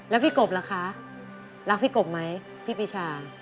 แล้วพี่กบล่ะคะรักพี่กบไหมพี่ปีชา